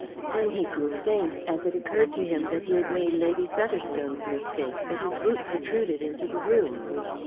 Then he grew faint, as it occurred to him that he had made Lady Featherstone's mistake, that his boot protruded into the room.